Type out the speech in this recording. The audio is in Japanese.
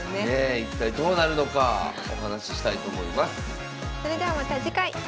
一体どうなるのかお話ししたいと思います。